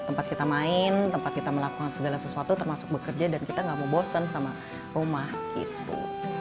tempat kita main tempat kita melakukan segala sesuatu termasuk bekerja dan kita gak mau bosen sama rumah gitu